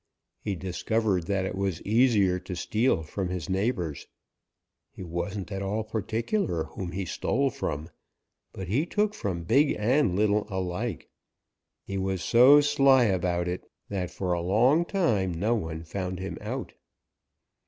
He discovered that it was easier to steal from his neighbors. He wasn't at all particular whom he stole from, but he took from big and little alike. He was so sly about it that for a long time no one found him out.